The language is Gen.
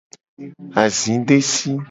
Azi desi.